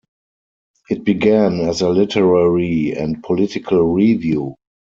It began as a literary and political review.